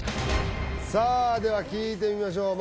さあでは聞いてみましょう